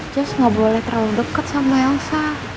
jess gak boleh terlalu deket sama elsa